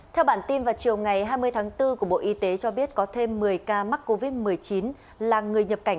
theo bản tin vào chiều ngày hai mươi tháng bốn của bộ y tế cho biết có thêm một mươi ca mắc covid một mươi chín là người nhập cảnh